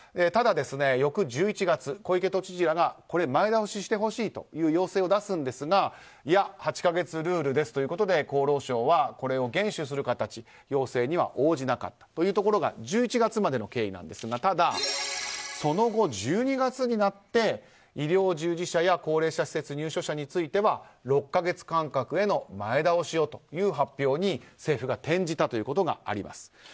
ただ、翌１１月小池都知事らが前倒ししてほしいという要請を出すんですがいや、８か月ルールですということで厚労省はこれを厳守する形で要請に応じなかったというのが１１月までの経緯ですがただ、その後１２月になって医療従事者や高齢者施設入所者については６か月間隔への前倒しをという発表に政府が転じたということがあります。